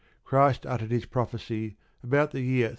Christ uttered His prophecy about the year 31.